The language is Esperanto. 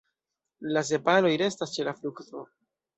La sepaloj restas ĉe la frukto.